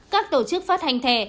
các tổ chức phát hành thẻ